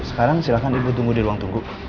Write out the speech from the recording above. sekarang silahkan ibu tunggu di ruang tunggu